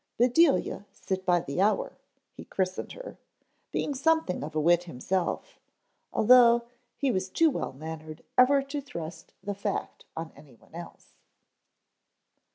"Bedelia sit by the hour" he christened her, being something of a wit himself, although he was too well mannered ever to thrust the fact on anyone else.